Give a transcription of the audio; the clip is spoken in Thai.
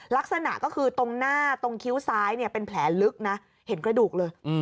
ลักษณะก็คือตรงหน้าตรงคิ้วซ้ายเนี่ยเป็นแผลลึกนะเห็นกระดูกเลย